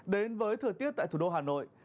đến với thời tiết tại thủ đô hà nội